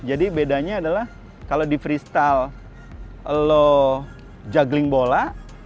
jadi bedanya adalah kalau di freestyle lo juggling bola